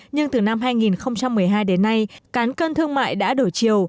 nhưng từ năm hai nghìn một mươi hai đến nay cán cân thương mại đã đổi chiều